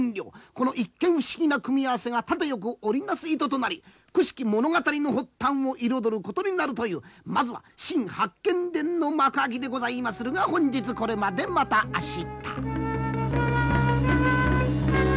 この一見不思議な組み合わせが縦横織り成す糸となり奇しき物語の発端を彩ることになるというまずは「新八犬伝」の幕開きでございまするが本日これまでまた明日。